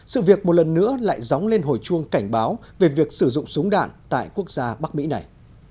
sự việc một lần nữa lại dóng lên hồi chuông cảnh báo về việc sử dụng súng đạn tại quốc gia bắc mỹ này